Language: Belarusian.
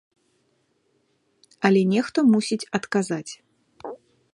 Але нехта мусіць адказаць.